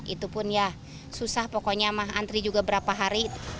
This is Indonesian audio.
itu pun ya susah pokoknya mah antri juga berapa hari